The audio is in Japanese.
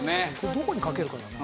どこに掛けるかだな。